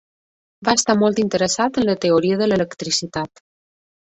Va estar molt interessat en la teoria de l'electricitat.